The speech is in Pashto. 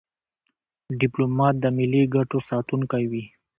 ډيپلومات د ملي ګټو ساتونکی وي.